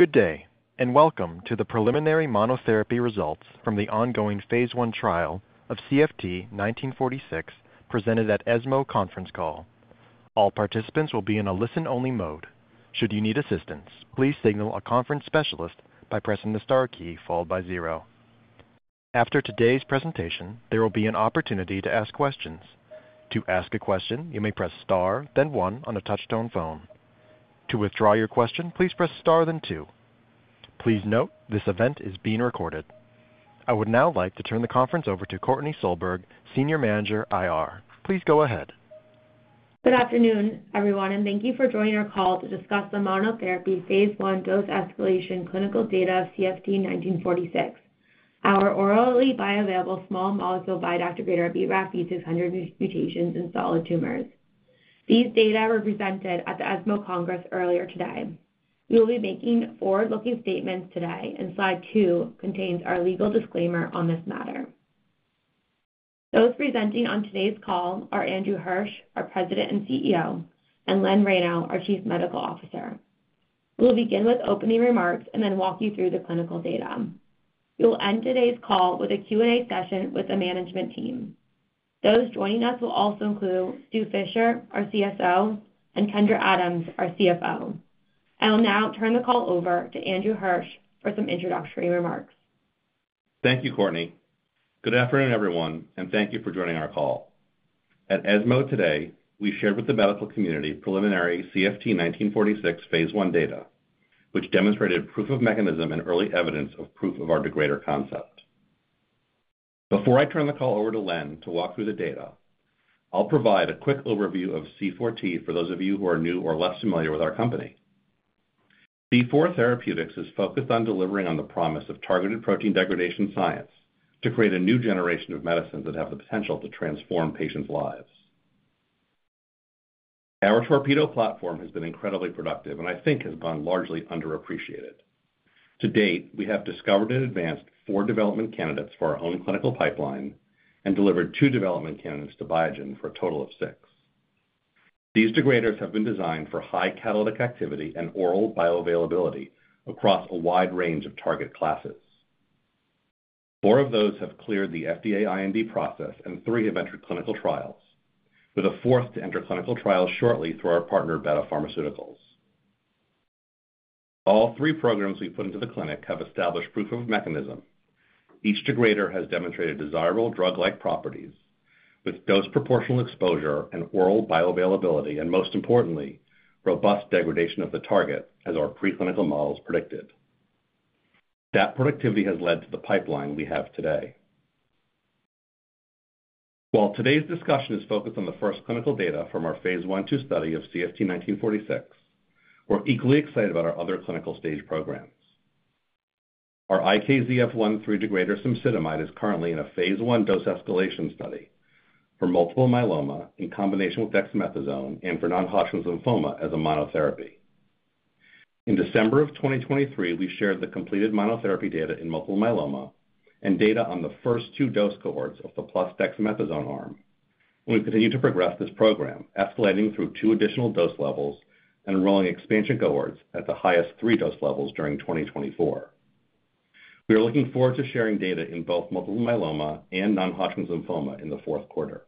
Good day, and welcome to the preliminary monotherapy results from the ongoing phase I trial of CFT1946, presented at ESMO conference call. All participants will be in a listen-only mode. Should you need assistance, please signal a conference specialist by pressing the star key followed by zero. After today's presentation, there will be an opportunity to ask questions. To ask a question, you may press star, then one on a touch-tone phone. To withdraw your question, please press star, then two. Please note, this event is being recorded. I would now like to turn the conference over to Courtney Solberg, Senior Manager, IR. Please go ahead. Good afternoon, everyone, and thank you for joining our call to discuss the monotherapy phase I dose escalation clinical data of CFT1946, our orally bioavailable small molecule BiDAC degrader targeting BRAF V600X mutations in solid tumors. These data were presented at the ESMO Congress earlier today. We will be making forward-looking statements today, and slide two contains our legal disclaimer on this matter. Those presenting on today's call are Andrew Hirsch, our President and CEO, and Len Reyno, our Chief Medical Officer. We will begin with opening remarks and then walk you through the clinical data. We will end today's call with a Q&A session with the management team. Those joining us will also include Stew Fisher, our CSO, and Kendra Adams, our CFO. I will now turn the call over to Andrew Hirsch for some introductory remarks. Thank you, Courtney. Good afternoon, everyone, and thank you for joining our call. At ESMO today, we shared with the medical community preliminary CFT1946 phase I data, which demonstrated proof of mechanism and early evidence of proof of our degrader concept. Before I turn the call over to Len to walk through the data, I'll provide a quick overview of C4T for those of you who are new or less familiar with our company. C4 Therapeutics is focused on delivering on the promise of targeted protein degradation science to create a new generation of medicines that have the potential to transform patients' lives. Our TORPEDO platform has been incredibly productive, and I think has gone largely underappreciated. To date, we have discovered and advanced four development candidates for our own clinical pipeline and delivered two development candidates to Biogen for a total of six. These degraders have been designed for high catalytic activity and oral bioavailability across a wide range of target classes. Four of those have cleared the FDA IND process, and three have entered clinical trials, with a fourth to enter clinical trials shortly through our partner, Betta Pharma. All three programs we've put into the clinic have established proof of mechanism. Each degrader has demonstrated desirable drug-like properties with dose proportional exposure and oral bioavailability, and most importantly, robust degradation of the target, as our preclinical models predicted. That productivity has led to the pipeline we have today. While today's discussion is focused on the first clinical data from our phase I/II study of CFT1946, we're equally excited about our other clinical stage programs. Our IKZF1/3 degrader, cemsidomide, is currently in a phase I dose escalation study for multiple myeloma in combination with dexamethasone and for non-Hodgkin's lymphoma as a monotherapy. In December of 2023, we shared the completed monotherapy data in multiple myeloma and data on the first two dose cohorts of the plus dexamethasone arm. We continue to progress this program, escalating through two additional dose levels and enrolling expansion cohorts at the highest three dose levels during 2024. We are looking forward to sharing data in both multiple myeloma and non-Hodgkin's lymphoma in the fourth quarter.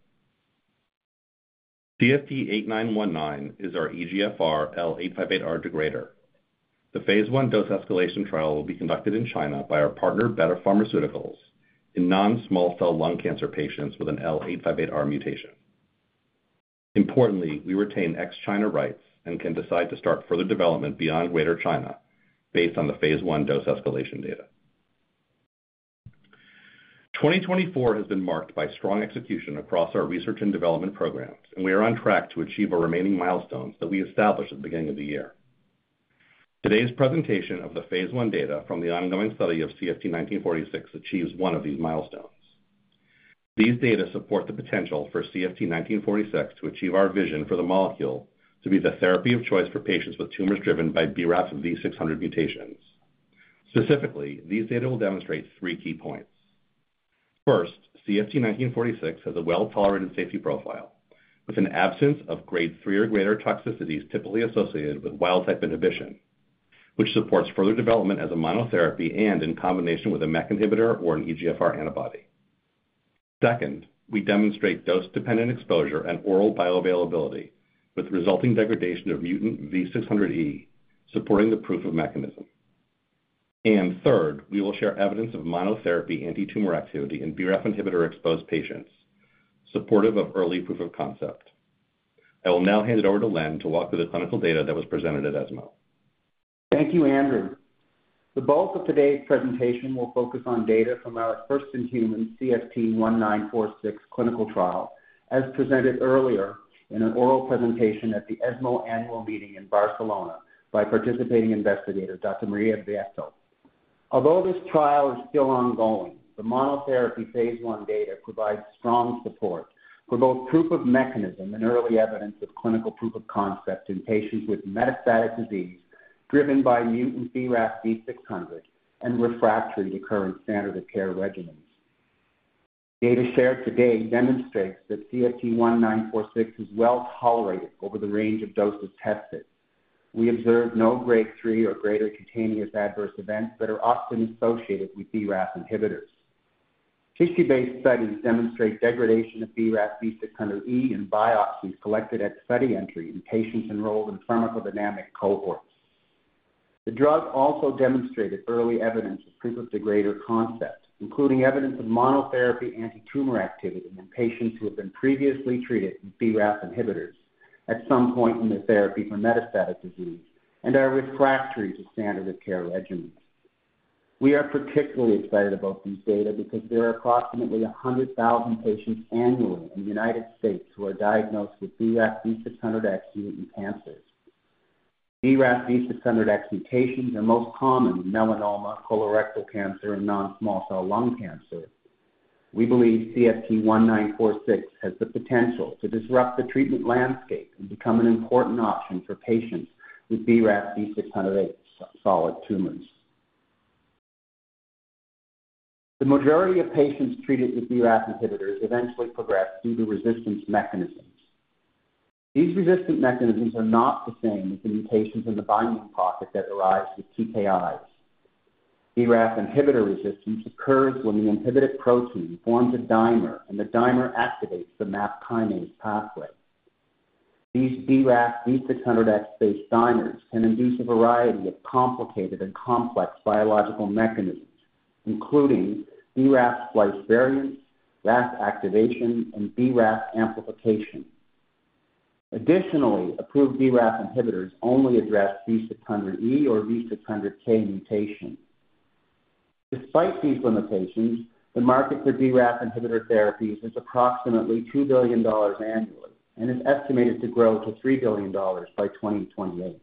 CFT8919 is our EGFR L858R degrader. The phase I dose escalation trial will be conducted in China by our partner, Betta Pharma, in non-small cell lung cancer patients with an L858R mutation. Importantly, we retain ex-China rights and can decide to start further development beyond Greater China based on the phase I dose escalation data. 2024 has been marked by strong execution across our research and development programs, and we are on track to achieve our remaining milestones that we established at the beginning of the year. Today's presentation of the phase I data from the ongoing study of CFT1946 achieves one of these milestones. These data support the potential for CFT1946 to achieve our vision for the molecule to be the therapy of choice for patients with tumors driven by BRAF V600 mutations. Specifically, these data will demonstrate three key points. First, CFT1946 has a well-tolerated safety profile, with an absence of Grade three or greater toxicities typically associated with wild-type inhibition, which supports further development as a monotherapy and in combination with a MEK inhibitor or an EGFR antibody. Second, we demonstrate dose-dependent exposure and oral bioavailability with resulting degradation of mutant V600E, supporting the proof of mechanism, and third, we will share evidence of monotherapy antitumor activity in BRAF inhibitor-exposed patients, supportive of early proof of concept. I will now hand it over to Len to walk through the clinical data that was presented at ESMO. Thank you, Andrew. The bulk of today's presentation will focus on data from our first-in-human CFT1946 clinical trial, as presented earlier in an oral presentation at the ESMO annual meeting in Barcelona by participating investigator, Dr. Maria Vieito. Although this trial is still ongoing, the monotherapy phase I data provides strong support for both proof of mechanism and early evidence of clinical proof of concept in patients with metastatic disease driven by mutant BRAF V600 and refractory to current standard of care regimens. ... Data shared today demonstrates that CFT1946 is well tolerated over the range of doses tested. We observed no grade three or greater cutaneous adverse events that are often associated with BRAF inhibitors. Tissue-based studies demonstrate degradation of BRAF V600E in biopsies collected at study entry in patients enrolled in pharmacodynamic cohorts. The drug also demonstrated early evidence of proof of degrader concept, including evidence of monotherapy anti-tumor activity in patients who have been previously treated with BRAF inhibitors at some point in their therapy for metastatic disease and are refractory to standard of care regimens. We are particularly excited about these data because there are approximately 100,000 patients annually in the United States who are diagnosed with BRAF V600X mutant cancers. BRAF V600X mutations are most common in melanoma, colorectal cancer, and non-small cell lung cancer. We believe CFT1946 has the potential to disrupt the treatment landscape and become an important option for patients with BRAF V600X solid tumors. The majority of patients treated with BRAF inhibitors eventually progress due to resistance mechanisms. These resistant mechanisms are not the same as the mutations in the binding pocket that arise with TKIs. BRAF inhibitor resistance occurs when the inhibited protein forms a dimer, and the dimer activates the MAP kinase pathway. These BRAF V600X-based dimers can induce a variety of complicated and complex biological mechanisms, including BRAF splice variants, RAS activation, and BRAF amplification. Additionally, approved BRAF inhibitors only address V600E or V600K mutations. Despite these limitations, the market for BRAF inhibitor therapies is approximately $2 billion annually and is estimated to grow to $3 billion by 2028.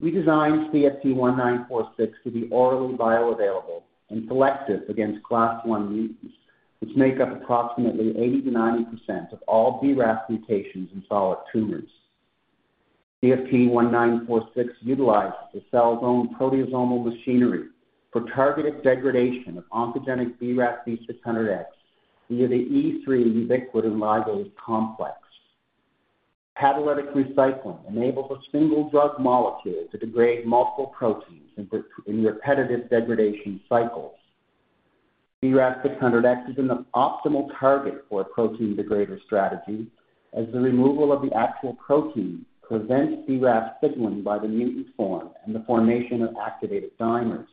We designed CFT1946 to be orally bioavailable and selective against class one mutants, which make up approximately 80%-90% of all BRAF mutations in solid tumors. CFT1946 utilizes the cell's own proteasomal machinery for targeted degradation of oncogenic BRAF V600X via the E3 ubiquitin ligase complex. Catalytic recycling enables a single drug molecule to degrade multiple proteins in repetitive degradation cycles. BRAF V600X is an optimal target for a protein degrader strategy, as the removal of the actual protein prevents BRAF signaling by the mutant form and the formation of activated dimers.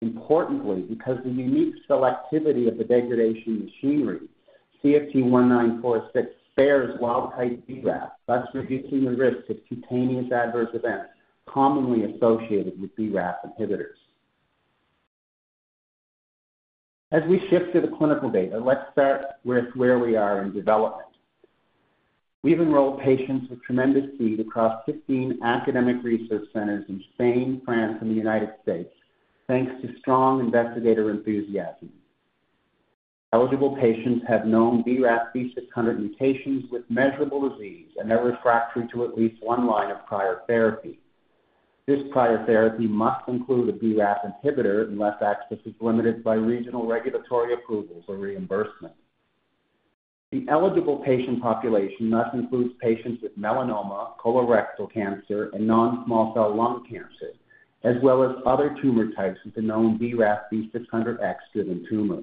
Importantly, because of the unique selectivity of the degradation machinery, CFT1946 spares wild-type BRAF, thus reducing the risk of cutaneous adverse events commonly associated with BRAF inhibitors. As we shift to the clinical data, let's start with where we are in development. We've enrolled patients with tremendous speed across 15 academic research centers in Spain, France, and the United States, thanks to strong investigator enthusiasm. Eligible patients have known BRAF V600 mutations with measurable disease and are refractory to at least one line of prior therapy. This prior therapy must include a BRAF inhibitor, unless access is limited by regional regulatory approvals or reimbursement. The eligible patient population thus includes patients with melanoma, colorectal cancer, and non-small cell lung cancer, as well as other tumor types with the known BRAF V600X driven tumor.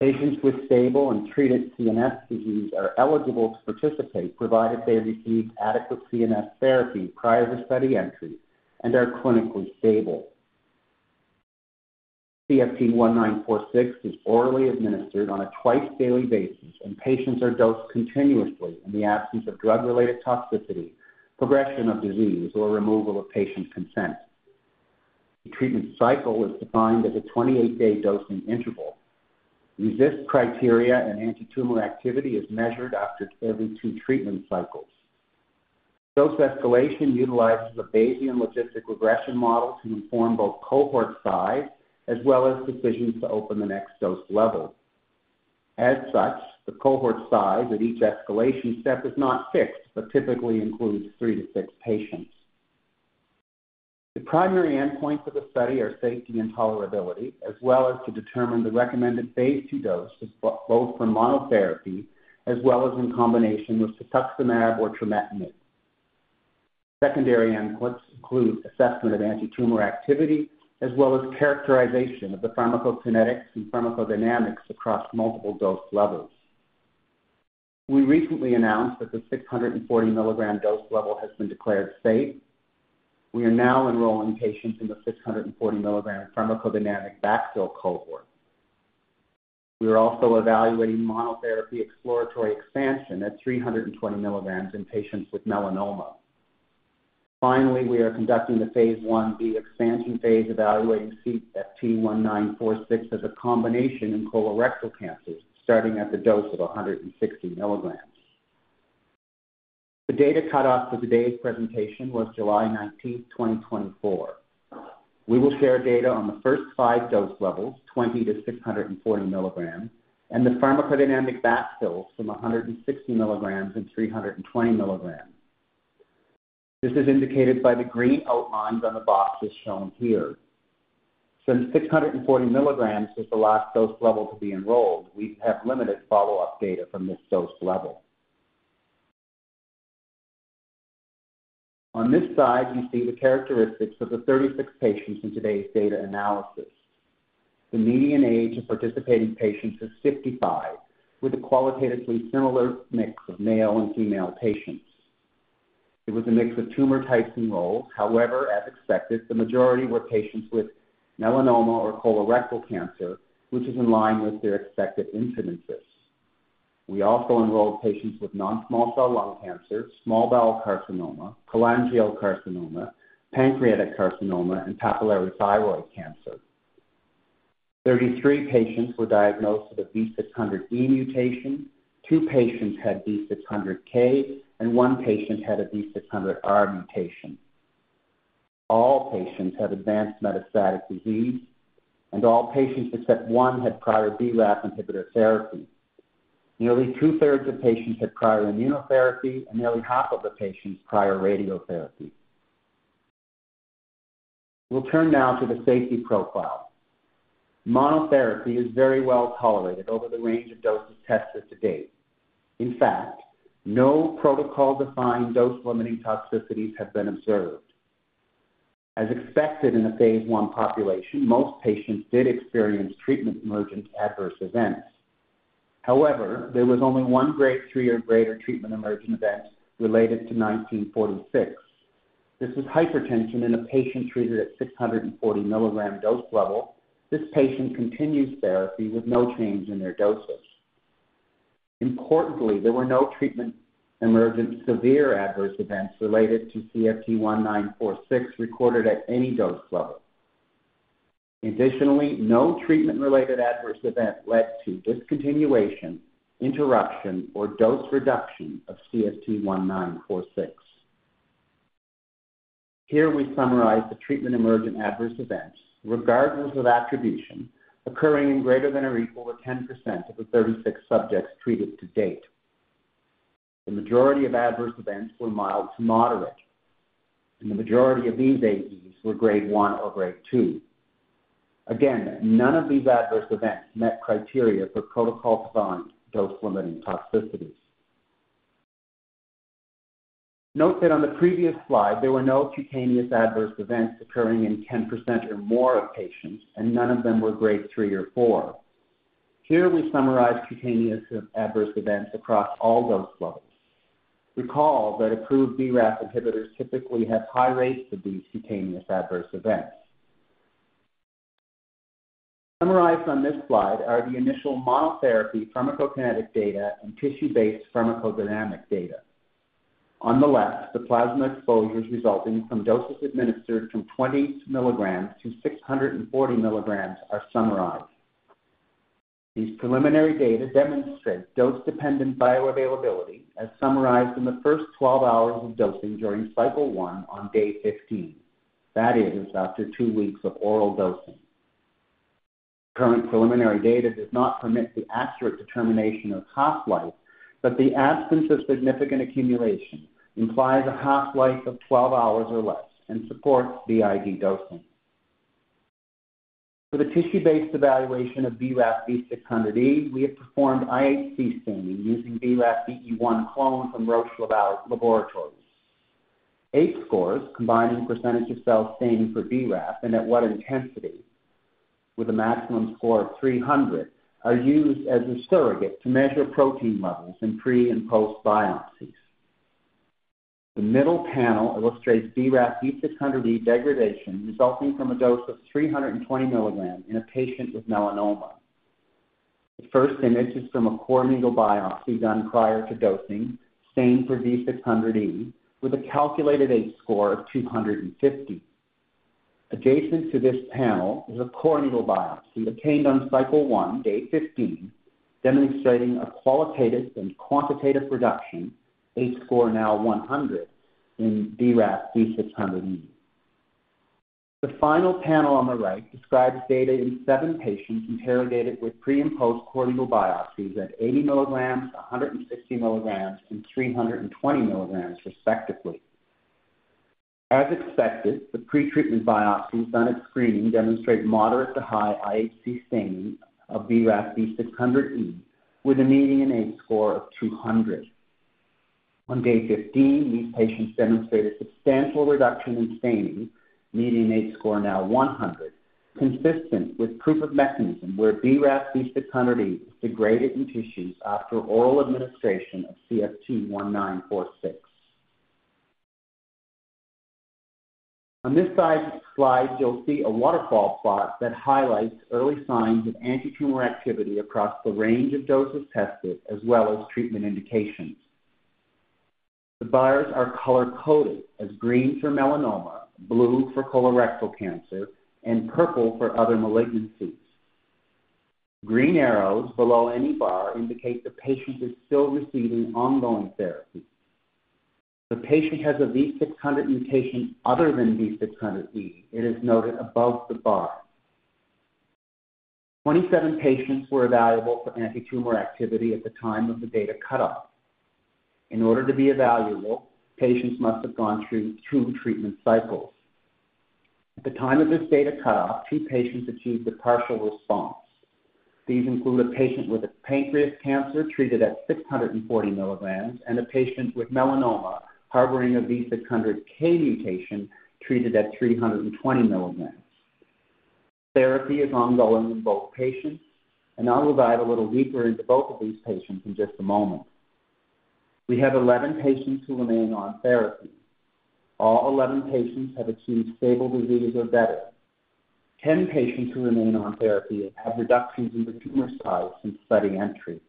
Patients with stable and treated CNS disease are eligible to participate, provided they received adequate CNS therapy prior to study entry and are clinically stable. CFT1946 is orally administered on a twice-daily basis, and patients are dosed continuously in the absence of drug-related toxicity, progression of disease, or removal of patient consent. The treatment cycle is defined as a 28-day dosing interval. RECIST criteria and anti-tumor activity is measured after every two treatment cycles. Dose escalation utilizes a Bayesian logistic regression model to inform both cohort size as well as decisions to open the next dose level. As such, the cohort size at each escalation step is not fixed, but typically includes three to six patients. The primary endpoints of the study are safety and tolerability, as well as to determine the recommended phase II dose, both for monotherapy as well as in combination with cetuximab or tremelimumab. Secondary endpoints include assessment of anti-tumor activity, as well as characterization of the pharmacokinetics and pharmacodynamics across multiple dose levels. We recently announced that the 640 milligram dose level has been declared safe. We are now enrolling patients in the 640 milligram pharmacodynamic backfill cohort. We are also evaluating monotherapy exploratory expansion at 320 milligrams in patients with melanoma. Finally, we are conducting the phase 1b expansion phase, evaluating CFT1946 as a combination in colorectal cancers, starting at the dose of 160 milligrams. The data cutoff for today's presentation was July 19th, 2024. We will share data on the first five dose levels, 20 to 640 milligrams, and the pharmacodynamic backfills from 160 milligrams and 320 milligrams. This is indicated by the green outlines on the box, as shown here. Since 640 milligrams is the last dose level to be enrolled, we have limited follow-up data from this dose level. On this slide, you see the characteristics of the 36 patients in today's data analysis. The median age of participating patients is 55, with a qualitatively similar mix of male and female patients. It was a mix of tumor types enrolled. However, as expected, the majority were patients with melanoma or colorectal cancer, which is in line with their expected incidences. We also enrolled patients with non-small cell lung cancer, small bowel carcinoma, cholangiocarcinoma, pancreatic carcinoma, and papillary thyroid cancer. 33 patients were diagnosed with a V600E mutation, two patients had V600K, and one patient had a V600R mutation. All patients had advanced metastatic disease, and all patients except one had prior BRAF inhibitor therapy. Nearly two-thirds of patients had prior immunotherapy and nearly half of the patients, prior radiotherapy. We'll turn now to the safety profile. Monotherapy is very well tolerated over the range of doses tested to date. In fact, no protocol-defined dose-limiting toxicities have been observed. As expected in a phase I population, most patients did experience treatment emergent adverse events. However, there was only one Grade 3 or greater treatment emergent event related to CFT1946. This is hypertension in a patient treated at 640 milligram dose level. This patient continues therapy with no change in their dosage. Importantly, there were no treatment emergent severe adverse events related to CFT1946 recorded at any dose level. Additionally, no treatment-related adverse event led to discontinuation, interruption, or dose reduction of CFT1946. Here we summarize the treatment emergent adverse events, regardless of attribution, occurring in greater than or equal to 10% of the 36 subjects treated to date. The majority of adverse events were mild to moderate, and the majority of these AEs were Grade 1 or Grade 2. Again, none of these adverse events met criteria for protocol-defined dose-limiting toxicities. Note that on the previous slide, there were no cutaneous adverse events occurring in 10% or more of patients, and none of them were Grade three or four. Here we summarize cutaneous adverse events across all dose levels. Recall that approved BRAF inhibitors typically have high rates of these cutaneous adverse events. Summarized on this slide are the initial monotherapy pharmacokinetic data and tissue-based pharmacodynamic data. On the left, the plasma exposures resulting from doses administered from 20 milligrams to 640 milligrams are summarized. These preliminary data demonstrate dose-dependent bioavailability, as summarized in the first 12 hours of dosing during cycle one on day 15. That is, after two weeks of oral dosing. Current preliminary data does not permit the accurate determination of half-life, but the absence of significant accumulation implies a half-life of 12 hours or less and supports BID dosing. For the tissue-based evaluation of BRAF V600E, we have performed IHC staining using BRAF VE1 clone from Roche. H-scores, combining percentage of cells stained for BRAF and at what intensity, with a maximum score of 300, are used as a surrogate to measure protein levels in pre- and post-biopsies. The middle panel illustrates BRAF V600E degradation resulting from a dose of 320 milligrams in a patient with melanoma. The first image is from a core needle biopsy done prior to dosing, stained for V600E, with a calculated H-score of 250. Adjacent to this panel is a core needle biopsy obtained on cycle one, day 15, demonstrating a qualitative and quantitative reduction, H-score now one hundred, in BRAF V600E. The final panel on the right describes data in seven patients interrogated with pre- and post-core needle biopsies at 80 milligrams, a hundred and sixty 160 milligrams, and 320 milligrams, respectively. As expected, the pretreatment biopsies done at screening demonstrate moderate to high IHC staining of BRAF V600E, with a median H-score of two hundred. On day 15, these patients demonstrated substantial reduction in staining, median H-score now one hundred, consistent with proof of mechanism where BRAF V600E degraded in tissues after oral administration of CFT1946. On this side slide, you'll see a waterfall plot that highlights early signs of anti-tumor activity across the range of doses tested, as well as treatment indications. The bars are color-coded as green for melanoma, blue for colorectal cancer, and purple for other malignancies. Green arrows below any bar indicate the patient is still receiving ongoing therapy. If the patient has a V600 mutation other than V600E, it is noted above the bar. 27 patients were evaluable for antitumor activity at the time of the data cutoff. In order to be evaluable, patients must have gone through two treatment cycles. At the time of this data cutoff, two patients achieved a partial response. These include a patient with pancreatic cancer treated at 640 milligrams, and a patient with melanoma harboring a V600K mutation treated at 320 milligrams. Therapy is ongoing in both patients, and I will dive a little deeper into both of these patients in just a moment. We have 11 patients who remain on therapy. All 11 patients have achieved stable disease or better. 10 patients who remain on therapy have reductions in their tumor size since study entry.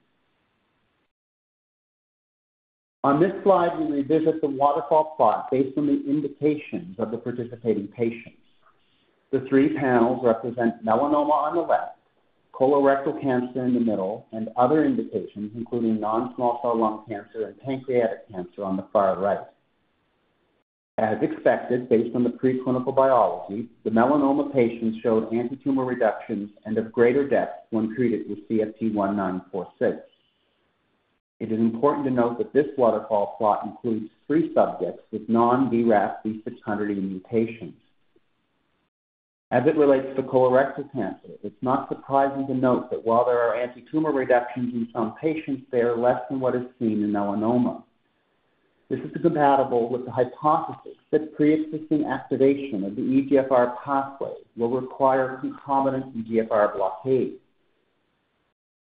On this slide, we revisit the waterfall plot based on the indications of the participating patients. The three panels represent melanoma on the left, colorectal cancer in the middle, and other indications, including non-small cell lung cancer and pancreatic cancer on the far right. As expected, based on the preclinical biology, the melanoma patients showed antitumor reductions and of greater depth when treated with CFT1946. It is important to note that this waterfall plot includes three subjects with non-BRAF V600E mutations. As it relates to colorectal cancer, it's not surprising to note that while there are antitumor reductions in some patients, they are less than what is seen in melanoma. This is compatible with the hypothesis that preexisting activation of the EGFR pathway will require concomitant EGFR blockade.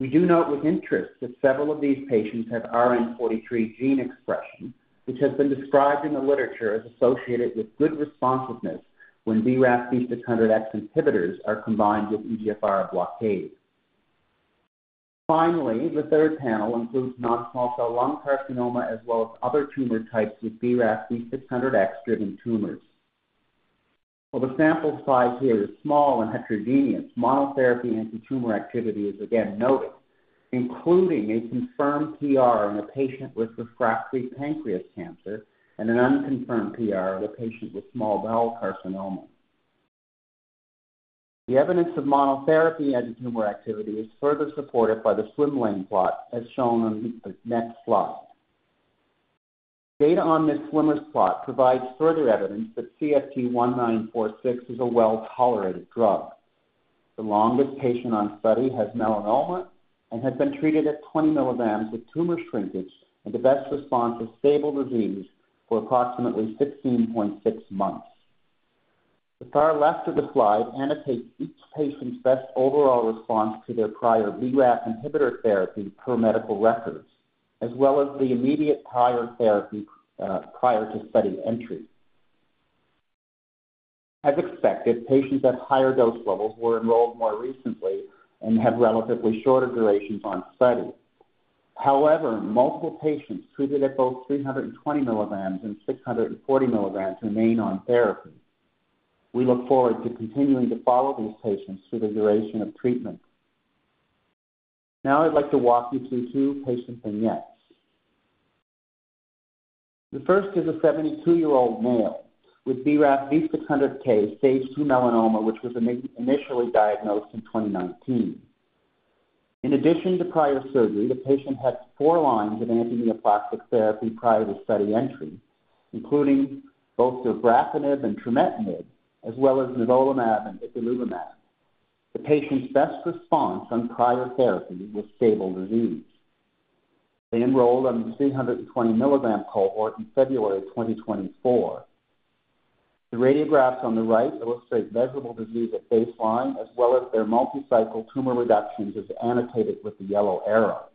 We do note with interest that several of these patients have RNF43 gene expression, which has been described in the literature as associated with good responsiveness when BRAF V600X inhibitors are combined with EGFR blockade. Finally, the third panel includes non-small cell lung carcinoma, as well as other tumor types with BRAF V600X-driven tumors. While the sample size here is small and heterogeneous, monotherapy antitumor activity is again noted, including a confirmed PR in a patient with refractory pancreatic cancer and an unconfirmed PR in a patient with small bowel carcinoma. The evidence of monotherapy antitumor activity is further supported by the swim lane plot, as shown on the next slide. Data on this swim lane plot provides further evidence that CFT1946 is a well-tolerated drug. The longest patient on study has melanoma and has been treated at 20 milligrams with tumor shrinkage, and the best response is stable disease for approximately 16.6 months. The far left of the slide annotates each patient's best overall response to their prior BRAF inhibitor therapy per medical records, as well as the immediate prior therapy, prior to study entry. As expected, patients at higher dose levels were enrolled more recently and have relatively shorter durations on study. However, multiple patients treated at both 320 milligrams and 640 milligrams remain on therapy. We look forward to continuing to follow these patients through the duration of treatment. Now, I'd like to walk you through two patient vignettes. The first is a 72-year-old male with BRAF V600K, stage two melanoma, which was initially diagnosed in 2019. In addition to prior surgery, the patient had four lines of antineoplastic therapy prior to study entry, including both dabrafenib and trametinib, as well as nivolumab and ipilimumab. The patient's best response on prior therapy was stable disease. They enrolled on the 320-milligram cohort in February 2024. The radiographs on the right illustrate measurable disease at baseline, as well as their multi-cycle tumor reductions, as annotated with the yellow arrow.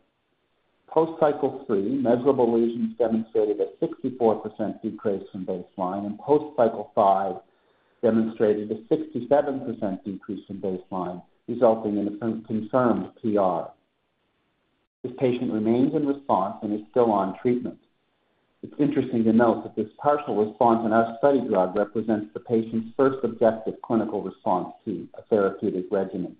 Post cycle three, measurable lesions demonstrated a 64% decrease from baseline, and post cycle five demonstrated a 67% decrease from baseline, resulting in a confirmed PR. This patient remains in response and is still on treatment. It's interesting to note that this partial response in our study drug represents the patient's first objective clinical response to a therapeutic regimen.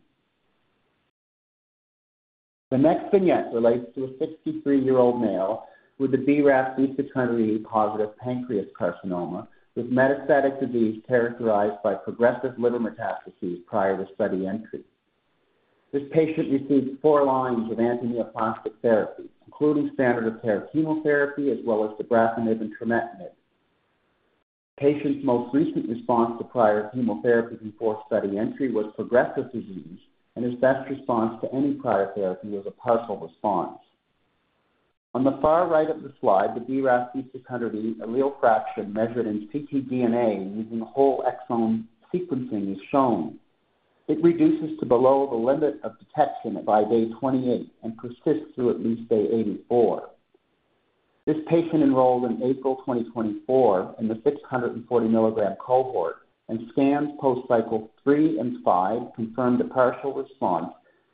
The next vignette relates to a 63-year-old male with a BRAF V600E-positive pancreatic carcinoma with metastatic disease characterized by progressive liver metastases prior to study entry. This patient received four lines of antineoplastic therapy, including standard of care chemotherapy, as well as dabrafenib and trametinib. Patient's most recent response to prior chemotherapy before study entry was progressive disease, and his best response to any prior therapy was a partial response. On the far right of the slide, the BRAF V600E allele fraction measured in ctDNA using whole exome sequencing is shown. It reduces to below the limit of detection by day 28 and persists through at least day 84. This patient enrolled in April 2024 in the 640 milligram cohort, and scans post cycle three and five confirmed a partial response,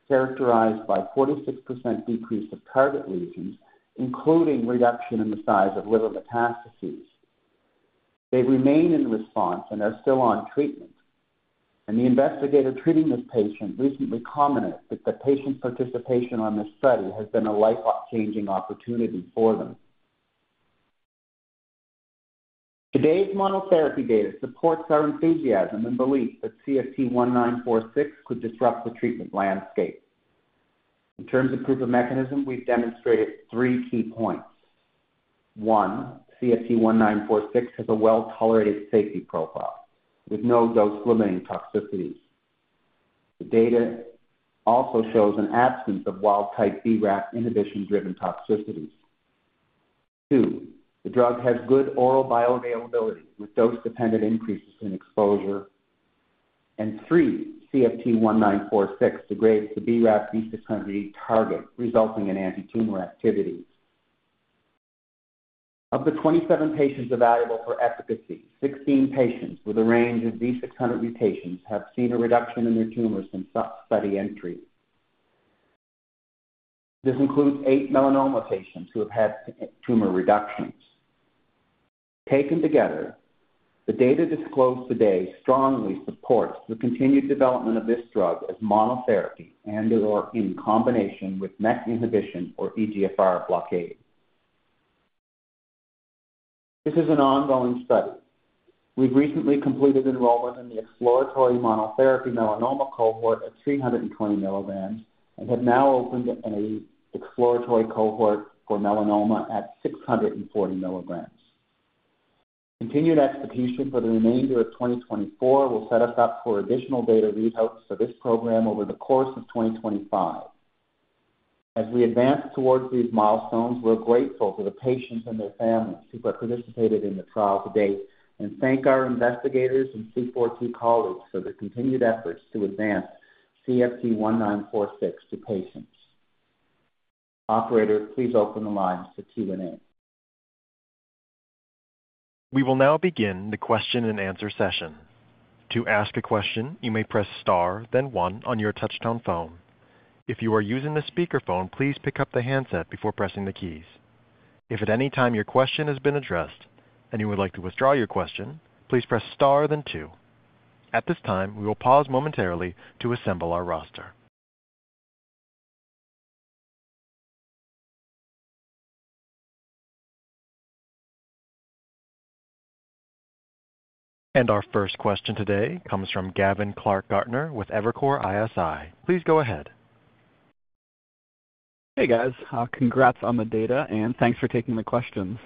characterized by 46% decrease of target lesions, including reduction in the size of liver metastases. They remain in response and are still on treatment, and the investigator treating this patient recently commented that the patient's participation on this study has been a life-changing opportunity for them. Today's monotherapy data supports our enthusiasm and belief that CFT1946 could disrupt the treatment landscape. In terms of proof of mechanism, we've demonstrated three key points. One, CFT1946 has a well-tolerated safety profile with no dose-limiting toxicities. The data also shows an absence of wild-type BRAF inhibition-driven toxicities. Two, the drug has good oral bioavailability with dose-dependent increases in exposure. And three, CFT1946 degrades the BRAF V600E target, resulting in antitumor activity. Of the 27 patients available for efficacy, 16 patients with a range of V600E mutations have seen a reduction in their tumors since study entry. This includes eight melanoma patients who have had tumor reductions. Taken together, the data disclosed today strongly supports the continued development of this drug as monotherapy and/or in combination with MEK inhibition or EGFR blockade. This is an ongoing study. We've recently completed enrollment in the exploratory monotherapy melanoma cohort at 320 milligrams and have now opened an exploratory cohort for melanoma at 640 milligrams. Continued execution for the remainder of 2024 will set us up for additional data readouts for this program over the course of 2025. As we advance towards these milestones, we're grateful for the patients and their families who have participated in the trial to date, and thank our investigators and C4 colleagues for their continued efforts to advance CFT1946 to patients. Operator, please open the lines to Q&A. We will now begin the question-and-answer session. To ask a question, you may press star, then one on your touch-tone phone. If you are using the speakerphone, please pick up the handset before pressing the keys. If at any time your question has been addressed and you would like to withdraw your question, please press star then two. At this time, we will pause momentarily to assemble our roster, and our first question today comes from Gavin Clark-Gartner with Evercore ISI. Please go ahead. Hey, guys. Congrats on the data, and thanks for taking the questions.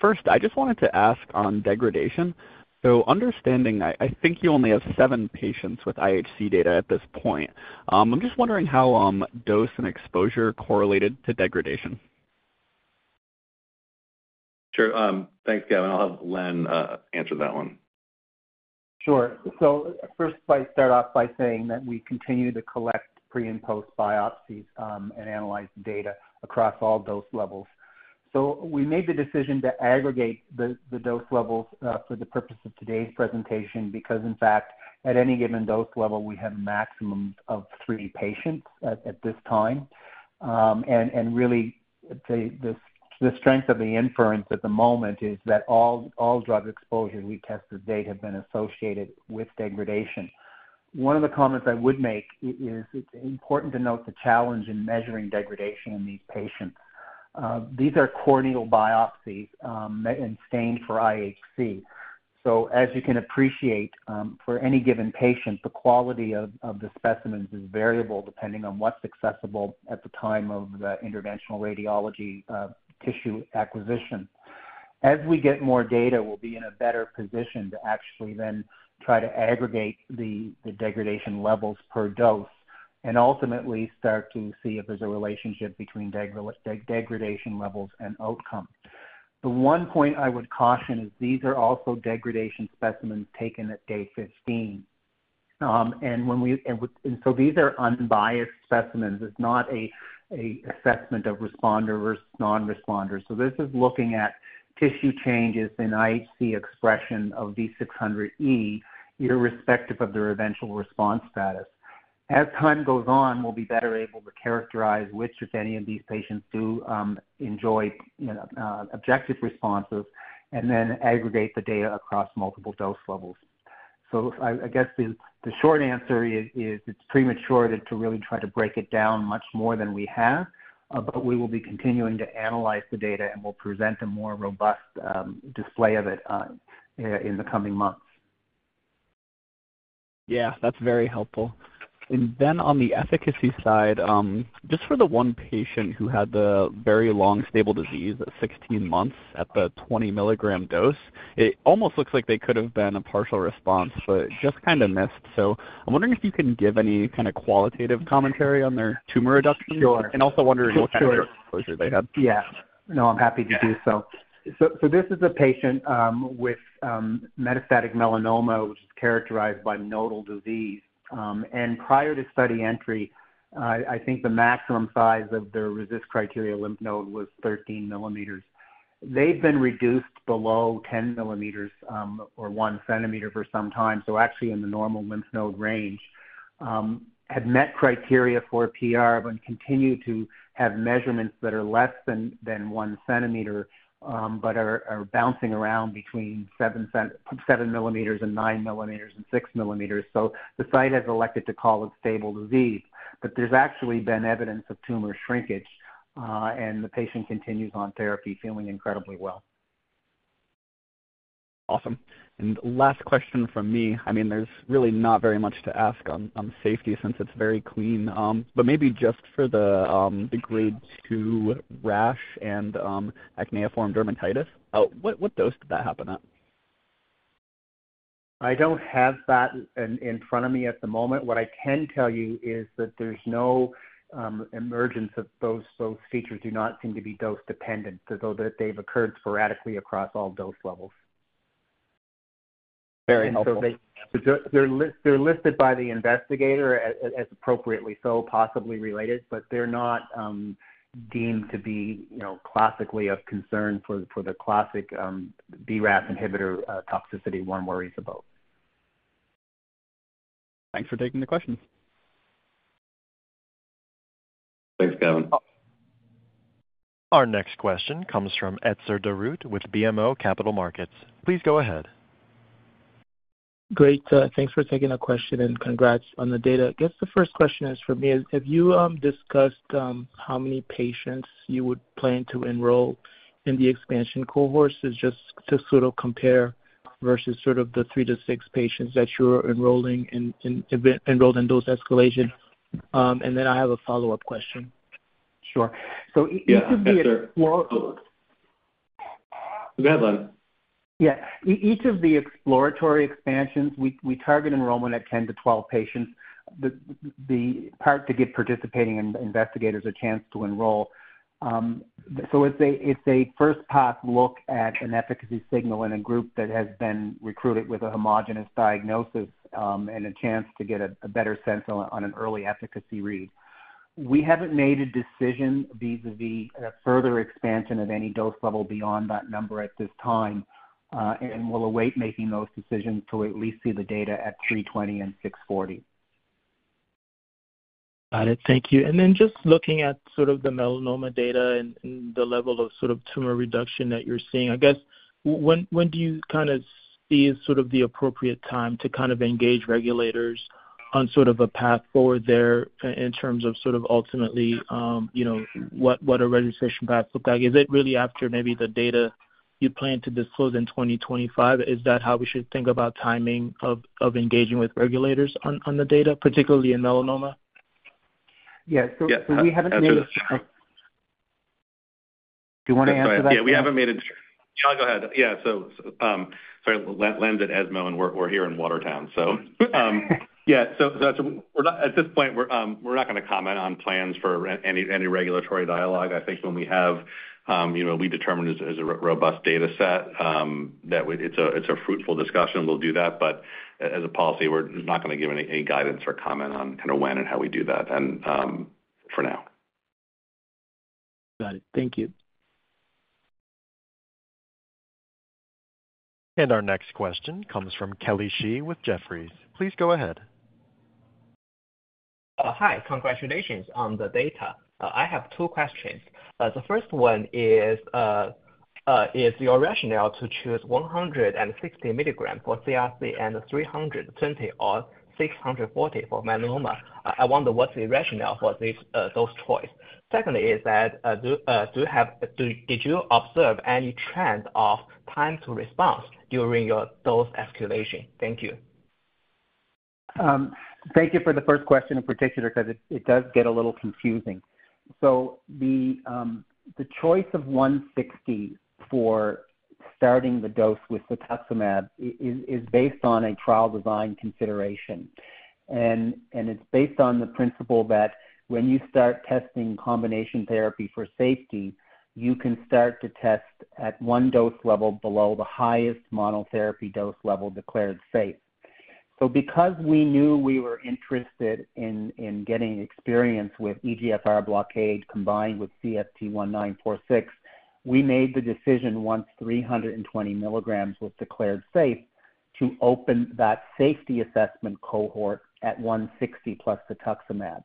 First, I just wanted to ask on degradation. So understanding, I think you only have seven patients with IHC data at this point. I'm just wondering how dose and exposure correlated to degradation? Sure. Thanks, Gavin. I'll have Len answer that one. Sure, so first, I start off by saying that we continue to collect pre- and post-biopsies, and analyze the data across all dose levels. So we made the decision to aggregate the dose levels for the purpose of today's presentation, because in fact, at any given dose level, we have a maximum of three patients at this time, and really, the strength of the inference at the moment is that all drug exposures we've tested to date have been associated with degradation. One of the comments I would make is it's important to note the challenge in measuring degradation in these patients. These are core biopsies, and stained for IHC. As you can appreciate, for any given patient, the quality of the specimens is variable, depending on what's accessible at the time of the interventional radiology tissue acquisition. As we get more data, we'll be in a better position to actually then try to aggregate the degradation levels per dose and ultimately start to see if there's a relationship between degradation levels and outcome. The one point I would caution is these are also degradation specimens taken at day 15. These are unbiased specimens. It's not a assessment of responder versus non-responder. This is looking at tissue changes in IHC expression of V600E, irrespective of their eventual response status. As time goes on, we'll be better able to characterize which, if any, of these patients do enjoy, you know, objective responses and then aggregate the data across multiple dose levels. So I guess the short answer is it's premature to really try to break it down much more than we have, but we will be continuing to analyze the data, and we'll present a more robust display of it in the coming months. Yeah, that's very helpful. And then on the efficacy side, just for the one patient who had the very long, stable disease at 16 months at the 20-milligram dose, it almost looks like they could have been a partial response, but just kind of missed. So I'm wondering if you can give any kind of qualitative commentary on their tumor reduction? Sure. Also wondering what kind of exposure they had. Yeah. No, I'm happy to do so. So this is a patient with metastatic melanoma, which is characterized by nodal disease. And prior to study entry, I think the maximum size of their RECIST criteria lymph node was 13 millimeters. They've been reduced below 10 millimeters or one centimeter for some time, so actually in the normal lymph node range, had met criteria for PR but continued to have measurements that are less than one centimeter, but are bouncing around between 7 millimeters and 9 millimeters and 6 millimeters. So the site has elected to call it stable disease, but there's actually been evidence of tumor shrinkage, and the patient continues on therapy, feeling incredibly well. Awesome. And last question from me. I mean, there's really not very much to ask on safety since it's very clean. But maybe just for the grade two rash and acneiform dermatitis, what dose did that happen at? I don't have that in front of me at the moment. What I can tell you is that there's no emergence of those. Those features do not seem to be dose dependent, though they've occurred sporadically across all dose levels. Very helpful. They're listed by the investigator as appropriately so, possibly related, but they're not deemed to be, you know, classically of concern for the classic BRAF inhibitor toxicity one worries about. Thanks for taking the question. Thanks, Gavin. Our next question comes from Etzer Darout with BMO Capital Markets. Please go ahead. Great. Thanks for taking the question and congrats on the data. I guess the first question for me is, have you discussed how many patients you would plan to enroll in the expansion cohort? So just to sort of compare versus sort of the three to six patients that were enrolled in those escalation. And then I have a follow-up question. Sure. So each of the- Yeah. Go ahead, Len. Yeah. Each of the exploratory expansions, we target enrollment at 10 to 12 patients. The part to give participating investigators a chance to enroll. So it's a first pass look at an efficacy signal in a group that has been recruited with a homogeneous diagnosis, and a chance to get a better sense on an early efficacy read. We haven't made a decision vis-a-vis a further expansion of any dose level beyond that number at this time, and we'll await making those decisions till we at least see the data at 320 and 640. Got it. Thank you. And then just looking at sort of the melanoma data and the level of sort of tumor reduction that you're seeing, I guess when do you kind of see sort of the appropriate time to kind of engage regulators on sort of a path forward there in terms of sort of ultimately, you know, what a registration path look like? Is it really after maybe the data you plan to disclose in 2025? Is that how we should think about timing of engaging with regulators on the data, particularly in melanoma? Yeah. So we haven't made- Yeah. Do you wanna answer that? Yeah, we haven't made it. No, go ahead. Yeah, so, sorry, Len's at ESMO, and we're here in Watertown. So, yeah, so, we're not at this point we're not gonna comment on plans for any regulatory dialogue. I think when we have, you know, we determine as a robust data set that it's a fruitful discussion, we'll do that. But as a policy, we're not gonna give any guidance or comment on kind of when and how we do that and for now. Got it. Thank you. Our next question comes from Kelly Shi with Jefferies. Please go ahead. Hi. Congratulations on the data. I have two questions. The first one is, is your rationale to choose 160 milligram for CRC and 320 or 640 for melanoma. I wonder, what's the rationale for this, those choice? Second is that, do you have - did you observe any trend of time to response during your dose escalation? Thank you. Thank you for the first question in particular, 'cause it, it does get a little confusing. The choice of 160 for starting the dose with cetuximab is based on a trial design consideration. And it's based on the principle that when you start testing combination therapy for safety, you can start to test at one dose level below the highest monotherapy dose level declared safe. So because we knew we were interested in getting experience with EGFR blockade combined with CFT1946, we made the decision once 320 milligrams was declared safe, to open that safety assessment cohort at 160+ cetuximab.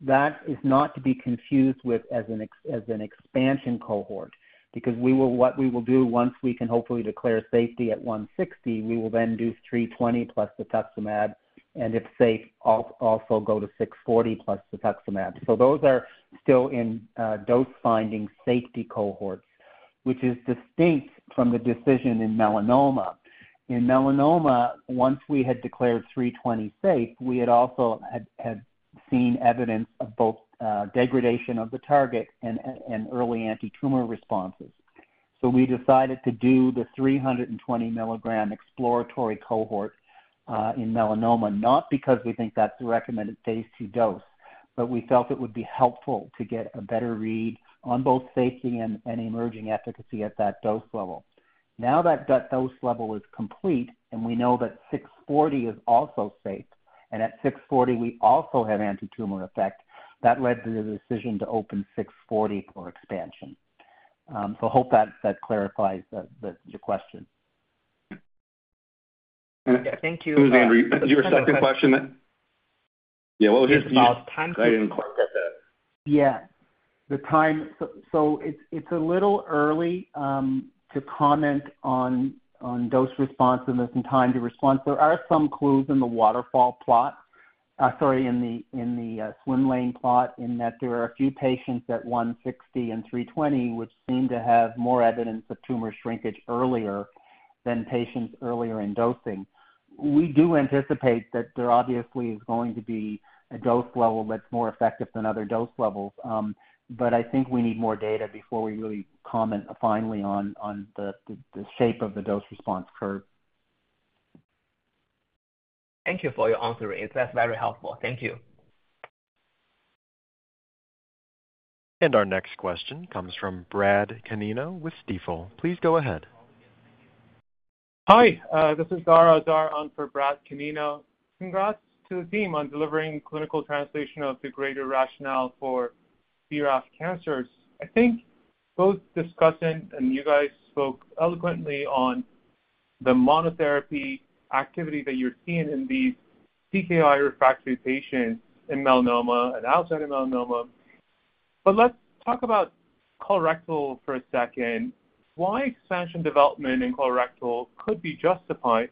That is not to be confused with an expansion cohort, because we will What we will do once we can hopefully declare safety at 160, we will then do 320+ cetuximab, and if safe, also go to 640+ cetuximab. So those are still in dose-finding safety cohorts, which is distinct from the decision in melanoma. In melanoma, once we had declared 320 safe, we had also seen evidence of both degradation of the target and early antitumor responses. So we decided to do the 320 milligram exploratory cohort in melanoma, not because we think that's the recommended phase II dose, but we felt it would be helpful to get a better read on both safety and emerging efficacy at that dose level. Now that the dose level is complete, and we know that 640 is also safe, and at 640, we also have antitumor effect, that led to the decision to open 640 for expansion. So hope that clarifies your question. Yeah. Thank you. Your second question then? Yeah, what was your second- It's about time to- I didn't quite get that. Yeah, the time. So it's a little early to comment on dose response and the time to response. There are some clues in the waterfall plot- Sorry, in the swim lane plot, in that there are a few patients at 160 and 320, which seem to have more evidence of tumor shrinkage earlier than patients earlier in dosing. We do anticipate that there obviously is going to be a dose level that's more effective than other dose levels. But I think we need more data before we really comment finally on the shape of the dose response curve. Thank you for your answer. That's very helpful. Thank you. Our next question comes from Brad Canino with Stifel. Please go ahead. Hi, this is Dara Azar on for Brad Canino. Congrats to the team on delivering clinical translation of the degrader rationale for BRAF cancers. I think both discussant and you guys spoke eloquently on the monotherapy activity that you're seeing in the TKI refractory patients in melanoma and outside of melanoma. But let's talk about colorectal for a second. Why expansion development in colorectal could be justified,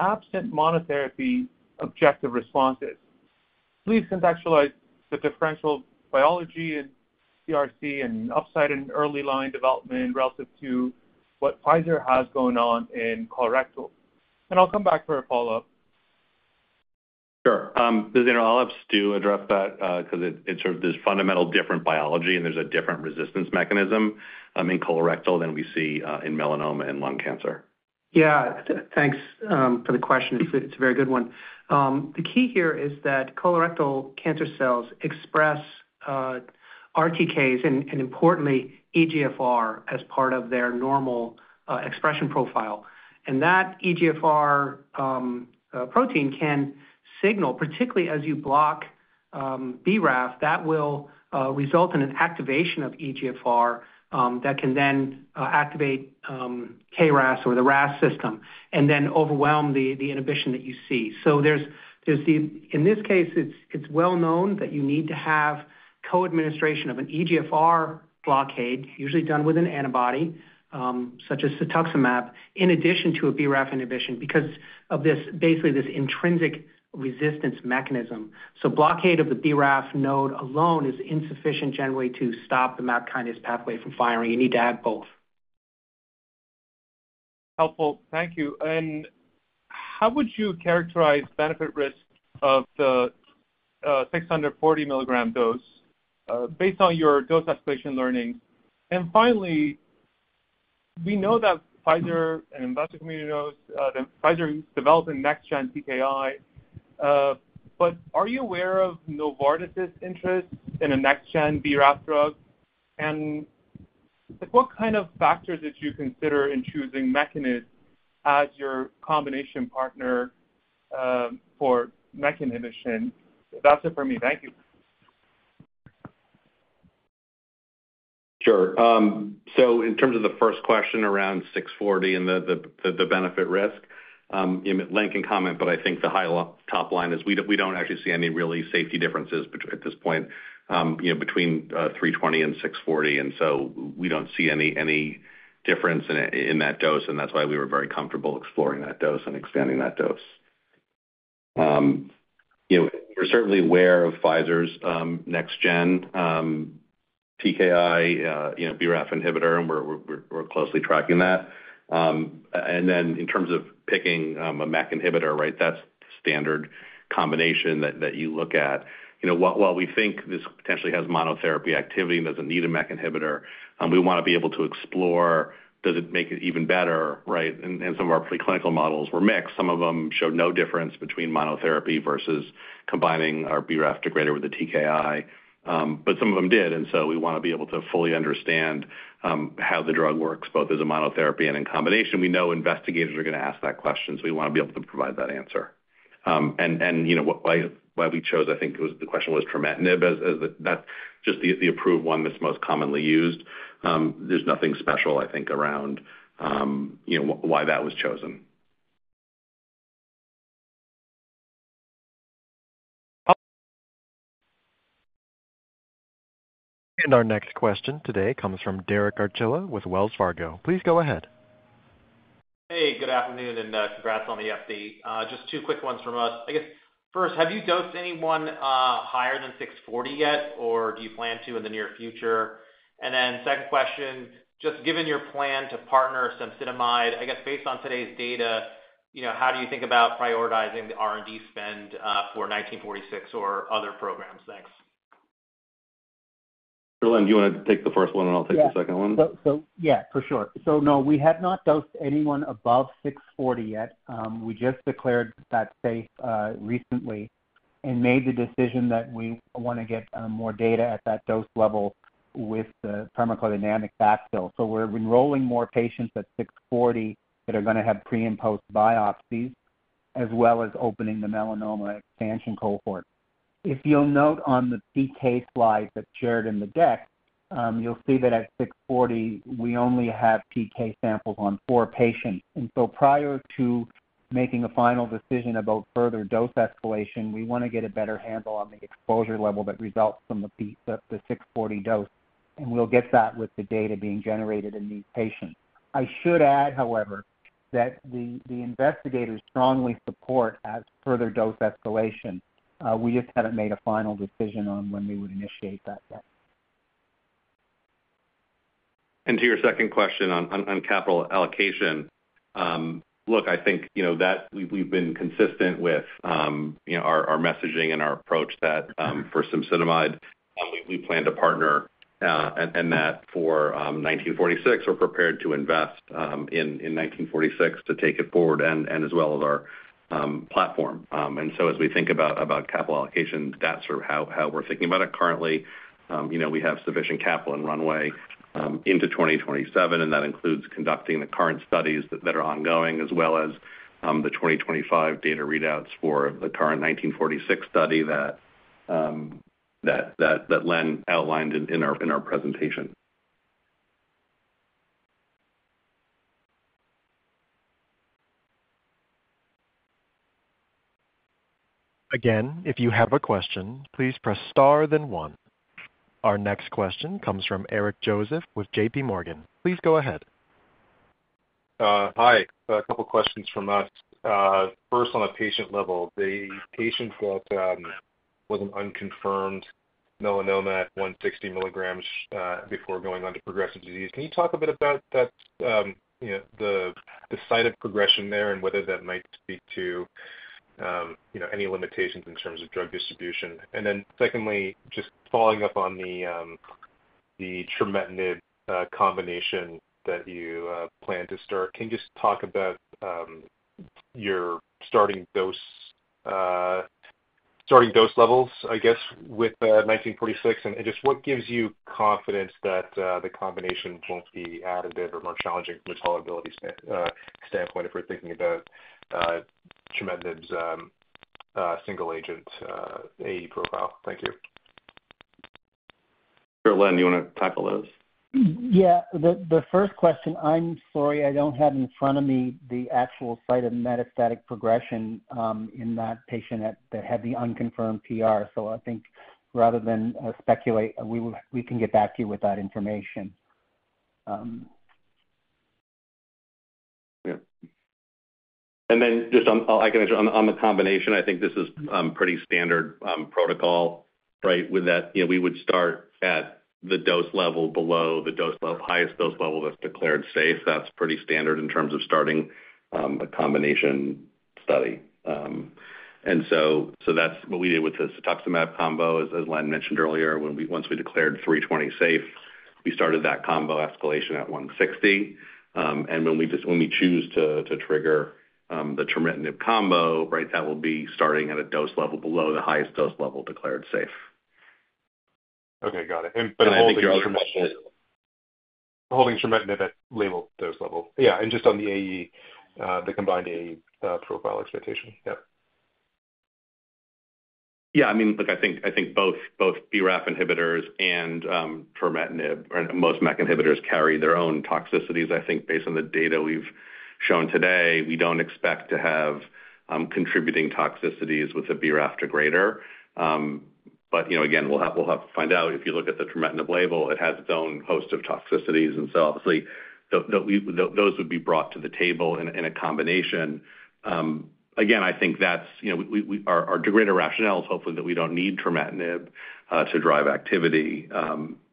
absent monotherapy objective responses? Please contextualize the differential biology in CRC and upside in early line development relative to what Pfizer has going on in colorectal. And I'll come back for a follow-up. Sure. Dara, I'll let Stew address that, 'cause it's sort of this fundamental different biology, and there's a different resistance mechanism in colorectal than we see in melanoma and lung cancer. Yeah. Thanks for the question. It's a very good one. The key here is that colorectal cancer cells express RTKs and importantly, EGFR as part of their normal expression profile. And that EGFR protein can signal, particularly as you block BRAF, that will result in an activation of EGFR that can then activate KRAS or the RAS system and then overwhelm the inhibition that you see. So there's the, in this case, it's well known that you need to have co-administration of an EGFR blockade, usually done with an antibody, such as cetuximab, in addition to a BRAF inhibition, because of this basically this intrinsic resistance mechanism. So blockade of the BRAF node alone is insufficient generally to stop the MAP kinase pathway from firing. You need to add both. Helpful. Thank you. And how would you characterize benefit-risk of the 640 milligram dose based on your dose escalation learning? And finally, we know that Pfizer and investor community knows that Pfizer is developing next-gen TKI, but are you aware of Novartis' interest in a next-gen BRAF drug? And, like, what kind of factors did you consider in choosing Mekinist as your combination partner for MEK inhibition? That's it for me. Thank you. Sure. So in terms of the first question, around 640 and the benefit-risk, you know, Len can comment, but I think the high-level top line is we don't actually see any really safety differences between, at this point, you know, between 320 and 640, and so we don't see any difference in that dose, and that's why we were very comfortable exploring that dose and expanding that dose. You know, we're certainly aware of Pfizer's next-gen TKI, you know, BRAF inhibitor, and we're closely tracking that. And then in terms of picking a MEK inhibitor, right, that's standard combination that you look at. You know, while we think this potentially has monotherapy activity and doesn't need a MEK inhibitor, we wanna be able to explore, does it make it even better, right? And some of our preclinical models were mixed. Some of them showed no difference between monotherapy versus combining our BRAF degrader with a TKI, but some of them did, and so we wanna be able to fully understand how the drug works, both as a monotherapy and in combination. We know investigators are gonna ask that question, so we wanna be able to provide that answer. And, you know, why we chose, I think it was the question was trametinib as the, that's just the approved one that's most commonly used. There's nothing special, I think, around, you know, why that was chosen. Awesome. Our next question today comes from Derek Archilla with Wells Fargo. Please go ahead. Hey, good afternoon, and congrats on the update. Just two quick ones from us. I guess, first, have you dosed anyone higher than 640 yet, or do you plan to in the near future? And then second question, just given your plan to partner some cemsidomide, I guess, based on today's data, you know, how do you think about prioritizing the R&D spend for CFT1946 or other programs? Thanks. Derek, do you wanna take the first one, and I'll take the second one? Yeah. So yeah, for sure. So no, we have not dosed anyone above 640 yet. We just declared that safe recently and made the decision that we wanna get more data at that dose level with the pharmacodynamic backfill. So we're enrolling more patients at 640 that are gonna have pre- and post-biopsies, as well as opening the melanoma expansion cohort. If you'll note on the PK slide that's shared in the deck, you'll see that at 640, we only have PK samples on four patients. And so prior to making a final decision about further dose escalation, we wanna get a better handle on the exposure level that results from the 640 dose, and we'll get that with the data being generated in these patients. I should add, however- that the investigators strongly support as further dose escalation. We just haven't made a final decision on when we would initiate that yet. And to your second question on capital allocation, look, I think, you know, that we've been consistent with, you know, our messaging and our approach that, for cemsidomide, we plan to partner, and that for CFT1946, we're prepared to invest in CFT1946 to take it forward and as well as our platform. And so as we think about capital allocation, that's sort of how we're thinking about it currently. You know, we have sufficient capital and runway into 2027, and that includes conducting the current studies that are ongoing, as well as the 2025 data readouts for the current CFT1946 study that Len outlined in our presentation. Again, if you have a question, please press star then one. Our next question comes from Eric Joseph with JPMorgan. Please go ahead. Hi. A couple questions from us. First, on a patient level, the patient that with an unconfirmed melanoma at 160 milligrams, before going on to progressive disease, can you talk a bit about that, you know, the site of progression there, and whether that might speak to, you know, any limitations in terms of drug distribution? And then secondly, just following up on the trametinib combination that you plan to start, can you just talk about your starting dose, starting dose levels, I guess, with CFT1946? And just what gives you confidence that the combination won't be additive or more challenging from a tolerability standpoint, if we're thinking about trametinib's single agent AE profile? Thank you. Sure. Len, you wanna tackle those? Yeah. The first question, I'm sorry, I don't have in front of me the actual site of metastatic progression in that patient that had the unconfirmed PR. So I think rather than speculate, we can get back to you with that information. Yeah. And then just on, I can mention, on the combination, I think this is pretty standard protocol, right? With that, you know, we would start at the dose level below the dose level, highest dose level that's declared safe. That's pretty standard in terms of starting a combination study. And so that's what we did with the cetuximab combo. As Len mentioned earlier, once we declared three twenty safe, we started that combo escalation at one sixty. And when we choose to trigger the trametinib combo, right, that will be starting at a dose level below the highest dose level declared safe. Okay, got it. And holding- I think our- Holding trametinib at label dose level. Yeah, and just on the AE, the combined AE, profile expectation. Yeah. Yeah, I mean, look, I think both BRAF inhibitors and trametinib or most MEK inhibitors carry their own toxicities. I think based on the data we've shown today, we don't expect to have contributing toxicities with a BRAF degrader. But you know, again, we'll have to find out. If you look at the trametinib label, it has its own host of toxicities, and so obviously those would be brought to the table in a combination. Again, I think that's you know, our degrader rationale is hopefully that we don't need trametinib to drive activity.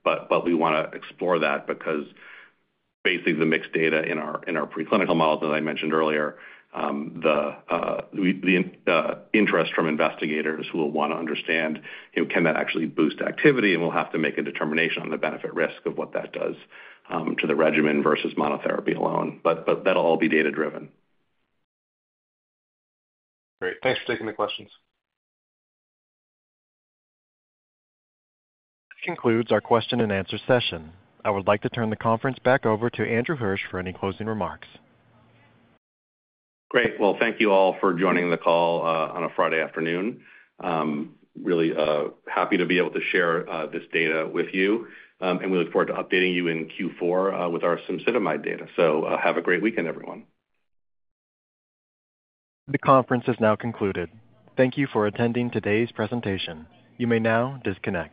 But we wanna explore that because basically the mixed data in our preclinical models, as I mentioned earlier, the interest from investigators who will wanna understand, you know, can that actually boost activity? And we'll have to make a determination on the benefit-risk of what that does to the regimen versus monotherapy alone. But that'll all be data driven. Great. Thanks for taking the questions. This concludes our question and answer session. I would like to turn the conference back over to Andrew Hirsch for any closing remarks. Great. Thank you all for joining the call on a Friday afternoon. Really happy to be able to share this data with you, and we look forward to updating you in Q4 with our cemsidomide data. Have a great weekend, everyone. The conference is now concluded. Thank you for attending today's presentation. You may now disconnect.